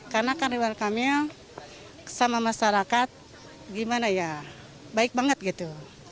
karena ridwan kamil sama masyarakat gimana ya baik banget gitu